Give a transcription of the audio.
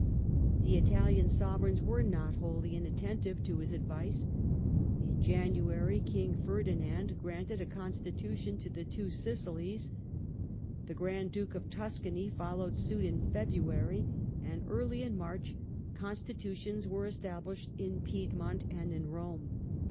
The Italian Sovereigns were not wholly inattentive to his advice. In January King Ferdinand granted a constitution to the two Sicilies ; the Grand Duke of Tuscany followed suit in February, and early in March constitutions were established in Piedmont and in Rome.